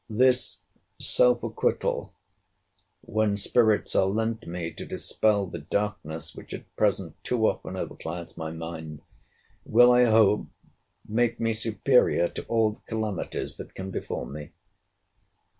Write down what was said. This self acquittal, when spirits are lent me to dispel the darkness which at present too often over clouds my mind, will, I hope, make me superior to all the calamities that can befal me.